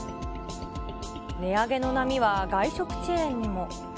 値上げの波は外食チェーンにも。